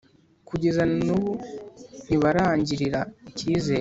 Kugeza na n’ubu ntibarangirira icyizere